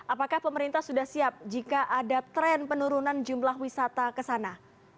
apakah pemerintah sudah siap jika ada tren penurunan jumlah wisata ke sana